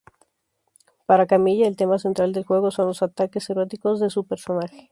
Para Kamiya, el tema central del juego son los ataques "eróticos" de su personaje.